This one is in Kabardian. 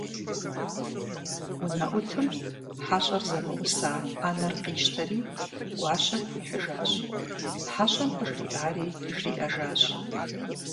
УнэӀутым хьэщӀэр зэмыӀуса Ӏэнэр къищтэри гуащэм хуихьыжащ, хьэщӀэм къыжриӀари жриӀэжащ.